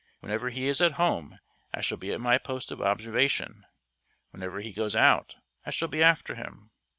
Whenever he is at home, I shall be at my post of observation; whenever he goes out, I shall be after him.